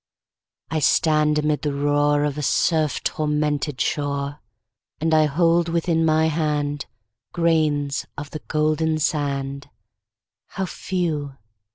I stand amid the roar Of a surf tormented shore, And I hold within my hand Grains of the golden sand How few!